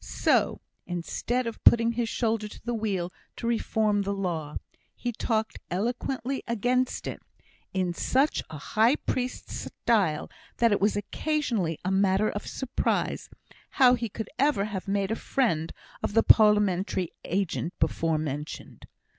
So, instead of putting his shoulder to the wheel to reform the law, he talked eloquently against it, in such a high priest style, that it was occasionally a matter of surprise how he could ever have made a friend of the parliamentary agent before mentioned.